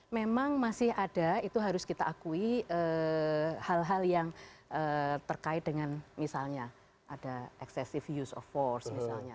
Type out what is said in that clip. memang masih ada itu harus kita akui hal hal yang terkait dengan misalnya ada excessive use of force misalnya